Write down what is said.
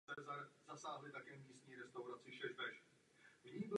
Po ukončení studií rok cestoval po Anglii a Francii.